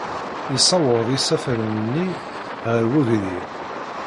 Yessaweḍ isafaren-nni ɣer wegrir.